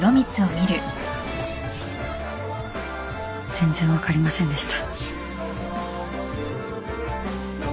全然分かりませんでした。